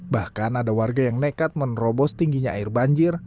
bahkan ada warga yang nekat menerobos tingginya air banjir